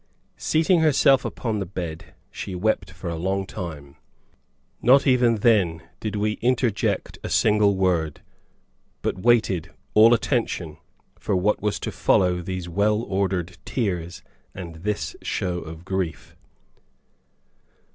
Seating herself upon the bed, she wept for a long time. Not even then did we interject a single word, but waited, all attention, for what was to follow these well ordered tears and this show of grief.